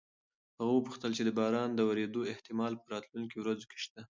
هغه وپوښتل چې د باران د ورېدو احتمال په راتلونکو ورځو کې شته؟